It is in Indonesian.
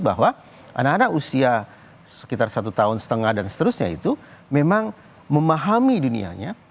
bahwa anak anak usia sekitar satu tahun setengah dan seterusnya itu memang memahami dunianya